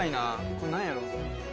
これ何やろう？